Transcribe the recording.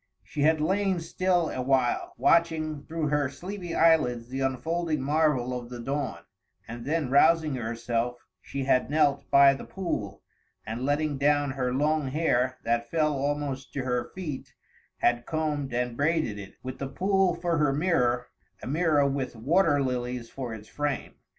She had lain still a while, watching through her sleepy eyelids the unfolding marvel of the dawn; and then rousing herself, she had knelt by the pool, and letting down her long hair that fell almost to her feet had combed and braided it, with the pool for her mirror a mirror with water lilies for its frame.